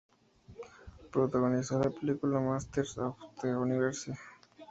Protagonizó la película "Masters of the Universe".